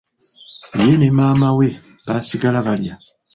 Ye ne maama we baasigala balya.